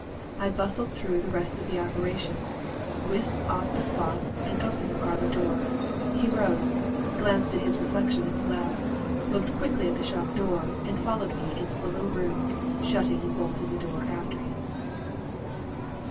I bustled through the rest of the operation, whisked off the cloth and opened the parlor door. He rose, glanced at his reflection in the glass, looked quickly at the shop door and followed me into the little room, shutting and bolting the door after him.